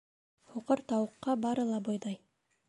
Һуҡыр тауыҡҡа бары ла бойҙай.